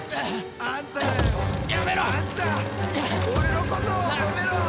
俺のことを褒めろ！